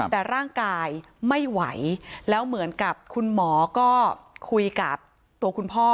แต่ร่างกายไม่ไหวแล้วเหมือนกับคุณหมอก็คุยกับตัวคุณพ่อ